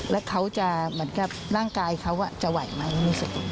แล้วเขาจะเหมือนกับร่างกายเขาจะไหวไหมรู้สึก